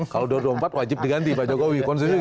kalau dua ribu dua puluh empat wajib diganti pak jokowi